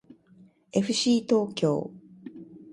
えふしー東京